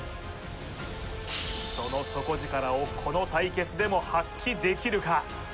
その底力をこの対決でも発揮できるか？